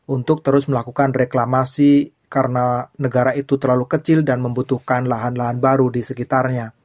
untuk terus melakukan reklamasi karena negara itu terlalu kecil dan membutuhkan lahan lahan baru di sekitarnya